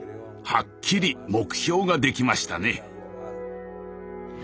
はっきり目標ができましたね。